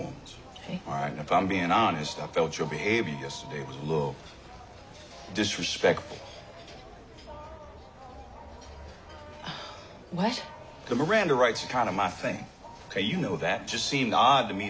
はい？